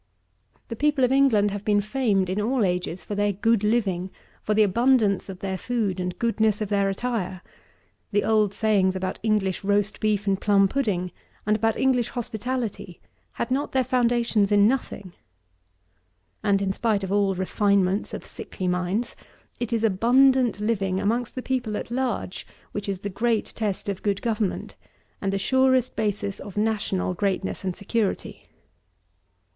The people of England have been famed, in all ages, for their good living; for the abundance of their food and goodness of their attire. The old sayings about English roast beef and plum pudding, and about English hospitality, had not their foundation in nothing. And, in spite of all refinements of sickly minds, it is abundant living amongst the people at large, which is the great test of good government, and the surest basis of national greatness and security.